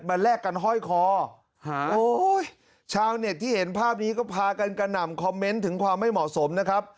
แลกกันห้อยคอชาวเน็ตที่เห็นภาพนี้ก็พากันกระหน่ำคอมเมนต์ถึงความไม่เหมาะสมนะครับ